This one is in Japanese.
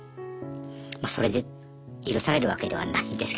まそれで許されるわけではないですけどね絶対に。